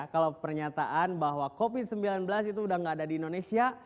kalau pernyataan bahwa covid sembilan belas itu udah nggak ada di indonesia